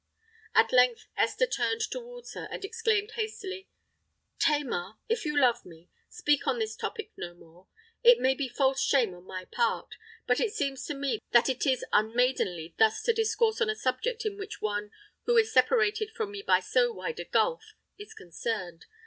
At length Esther turned towards her, and exclaimed hastily, "Tamar—if you love me, speak on this topic no more. It may be false shame on my part,—but it seems to me that it is unmaidenly thus to discourse on a subject in which one, who is separated from me by so wide a gulf, is concerned.